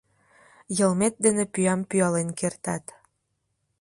Йылмет дене пӱям пӱялен кертат.